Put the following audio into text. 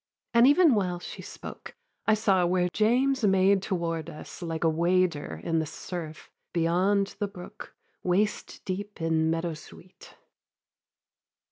And even while she spoke, I saw where James Made toward us, like a wader in the surf, Beyond the brook, waist deep in meadow sweet.